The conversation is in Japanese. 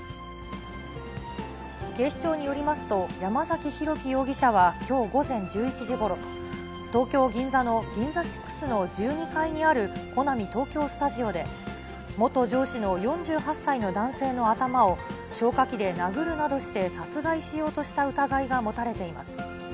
警視庁によりますと、山崎裕基容疑者はきょう午前１１時ごろ、東京・銀座のギンザシックスの１２階にあるコナミ東京スタジオで、元上司の４８歳の男性の頭を消火器で殴るなどして殺害しようとした疑いが持たれています。